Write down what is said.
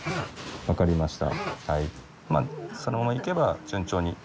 分かりました。